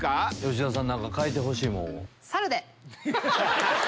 吉田さん何か描いてほしいものを。